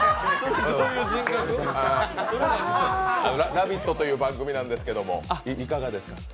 「ラヴィット！」という番組なんですけど、いかがですか？